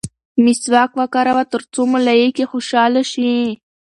مسواک وکاروه ترڅو ملایکې خوشحاله شي.